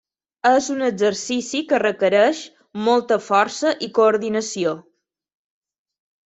És un exercici que requereix molta força i coordinació.